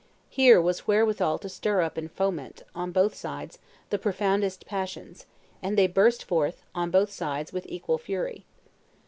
Here was wherewithal to stir up and foment, on both sides, the profoundest passions; and they burst forth, on both sides, with equal fury.